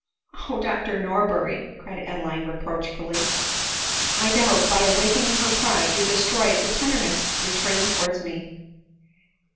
«' Oh ! Dr Norberry," cried Adeline reproachfully, " 1 doubt, by awakening her pride, you destroyed the tenderness returning towards me."